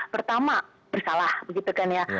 pertama bersalah begitu kan ya